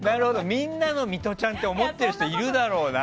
みんなのミトちゃんと思っている人いるだろうな。